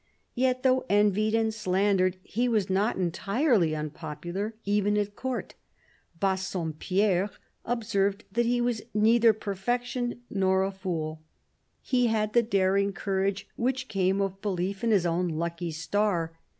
Yet, though envied and slandered, he was not entirely unpopular, even at Court. Bassompierre observed that he was neither perfection nor a fool. He had the daring courage which came of belief in his own lucky star.